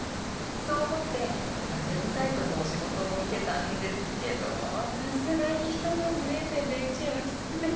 そう思ってウェブサイトの仕事も受けたんですけどさすがにひと文字０．０１円はきつくて。